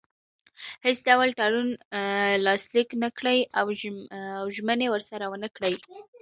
هیڅ ډول تړون لاسلیک نه کړي او ژمنې ورسره ونه کړي.